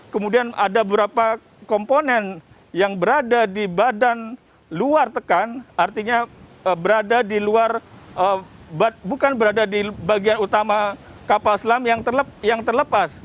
kemudian ada beberapa komponen yang berada di badan luar tekan artinya berada di luar bukan berada di bagian utama kapal selam yang terlepas